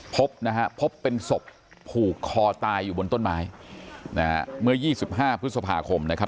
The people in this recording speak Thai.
พบนะฮะพบเป็นศพผูกคอตายอยู่บนต้นไม้นะฮะเมื่อ๒๕พฤษภาคมนะครับ